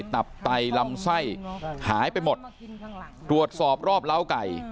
ตับไตลำไส้หายไปหมดตรวจสอบรอบเล้าไก่